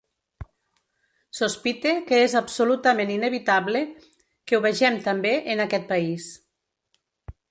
Sospite que és absolutament inevitable que ho vegem també en aquest país.